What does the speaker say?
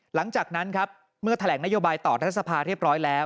หลังจากนั้นครับเมื่อแถลงนโยบายต่อรัฐสภาเรียบร้อยแล้ว